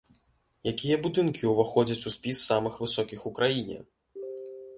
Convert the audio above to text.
Якія будынкі ўваходзяць у спіс самых высокіх у краіне?